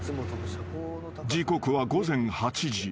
［時刻は午前８時］